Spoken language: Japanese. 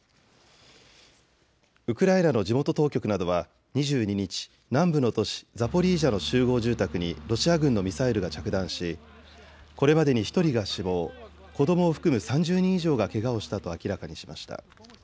ウクライナの地元当局などは２２日、南部の都市、ザポリージャの集合住宅にロシア軍のミサイルが着弾しこれまでに１人が死亡、子どもを含む３０人以上がけがをしたと明らかにしました。